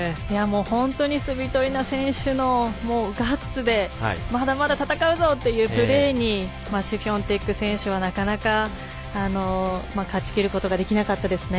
本当にスビトリーナ選手のガッツでまだまだ戦うぞ！というプレーにシフィオンテク選手は、なかなか勝ちきることができなかったですね。